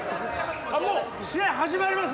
あっもう試合始まります。